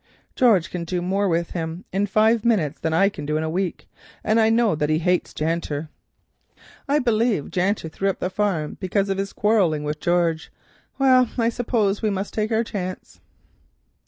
"George can do more with him in five minutes than I can do in a week, and I know that he hates Janter. I believe Janter threw up the farm because of his quarrelling with George. Well, I suppose we must take our chance."